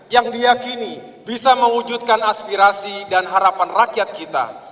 yang diakini bisa mewujudkan aspirasi dan harapan rakyat kita